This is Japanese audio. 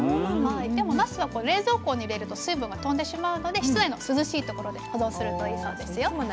でもなすは冷蔵庫に入れると水分が飛んでしまうので室内の涼しい所で保存するといいそうですよ。